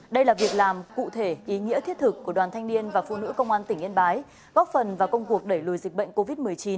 đây là việc làm cụ thể ý nghĩa thiết thực của đoàn thanh niên và phụ nữ công an tỉnh yên bái góp phần vào công cuộc đẩy lùi dịch bệnh covid một mươi chín